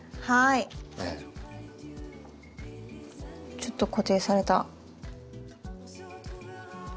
ちょっと固定された。